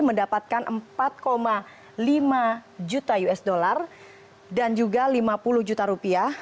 mendapatkan empat lima juta usd dan juga lima puluh juta rupiah